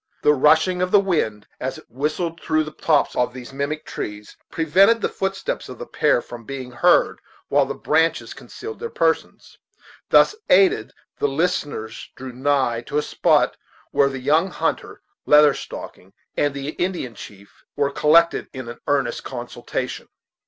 The rushing of the wind, as it whistled through the tops of these mimic trees, prevented the footsteps of the pair from being heard, while the branches concealed their persons. Thus aided, the listeners drew nigh to a spot where the young hunter, Leather Stocking, and the Indian chief were collected in an earnest consultation.